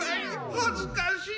はずかしい！